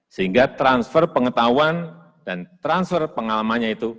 sehingga transfer pengetahuan dan transfer pengalamannya itu